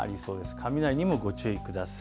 雷にもご注意ください。